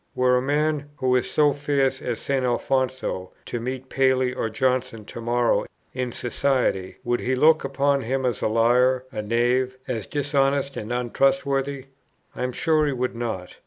Were a man, who is so fierce with St. Alfonso, to meet Paley or Johnson to morrow in society, would he look upon him as a liar, a knave, as dishonest and untrustworthy? I am sure he would not.